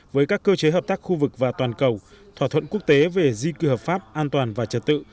với các cơ chế hợp tác khu vực và toàn cầu thỏa thuận quốc tế về di cư hợp pháp an toàn và trật tự